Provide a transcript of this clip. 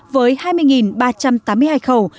với hai mươi ba trăm tám mươi hai khẩu